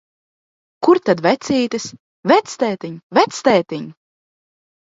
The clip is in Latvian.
Kur tad vecītis? Vectētiņ, vectētiņ!